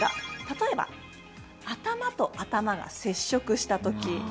例えば、頭と頭が接触したとき。